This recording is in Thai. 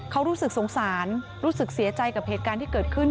เขารู้สึกสงสารรู้สึกเสียใจกับเหตุการณ์ที่เกิดขึ้น